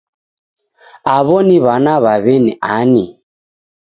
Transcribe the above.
Aw'o ni w'ana w'a w'eni ani